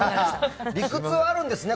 理屈はあるんですね。